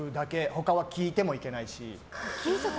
他は聴いてもいけないし。